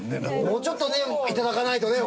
もうちょっとね頂かないとね